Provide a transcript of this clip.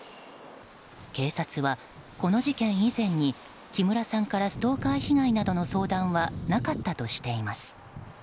警察は、この事件以前に木村さんからストーカー被害などの相談はなかったとしています。